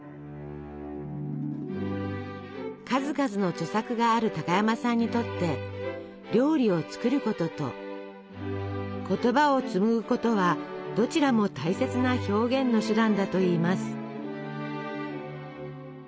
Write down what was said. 数々の著作がある高山さんにとって料理を作ることと言葉を紡ぐことはどちらも大切な「表現の手段」だといいます。